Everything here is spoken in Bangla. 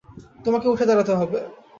তোমাকে উঠে দাঁড়াতে হবে।